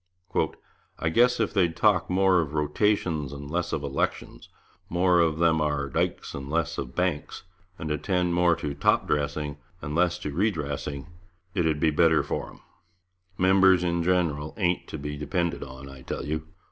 'I guess if they'd talk more of rotations and less of elections, more of them ar dykes and less of banks, and attend more to top dressing and less to re dressing, it 'ed be better for 'em. ... Members in general ain't to be depended on, I tell you.